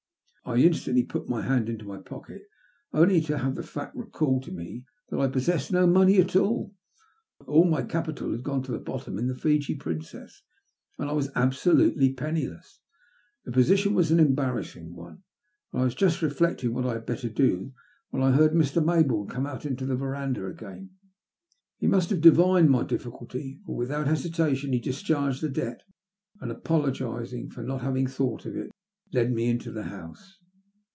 I instantly put my hand into my pocket, only to have the fact recalled to me that I possessed no money at all. All my capital had gone to the bottom in the Fiji Princess, and I was absolutely penniless. The position was an embarrassing one, and I was just reflecting what I had better do, when I heard Mr. Mayboume come out into the verandah again. S2I THB LUST OF HATE. He must have divined my difficalty, for withoat hesitation he discharged the debt, and, apologis ing for not having thought of it, led me into the house.